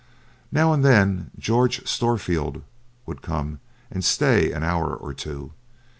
Now and then George Storefield would come and stay an hour or two.